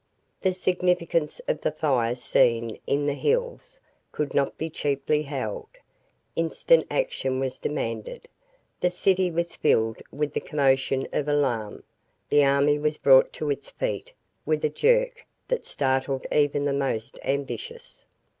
The significance of the fires seen in the hills could not be cheaply held. Instant action was demanded. The city was filled with the commotion of alarm; the army was brought to its feet with a jerk that startled even the most ambitious.